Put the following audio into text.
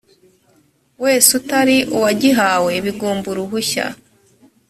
wese utari uwagihawe bigomba uruhushya